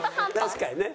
確かにね。